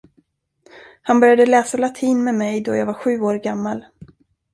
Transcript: Han började läsa latin med mig då jag var sju år gammal.